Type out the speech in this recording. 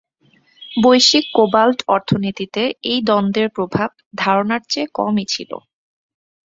বৈশ্বিক কোবাল্ট অর্থনীতিতে এই দ্বন্দ্বের প্রভাব ধারনার চেয়ে কমই ছিলো।